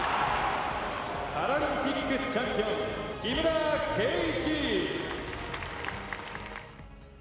パラリンピックチャンピオン、木村敬一。